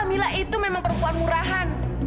amila itu memang perempuan murahan